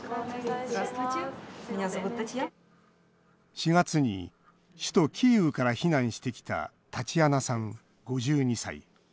４月に首都キーウから避難してきたタチアナさん５２歳。